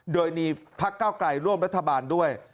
โดยนี้ภักดิ์ก้าวไกลร่วมรัฐบาลด้วย